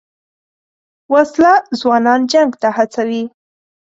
وسله ځوانان جنګ ته هڅوي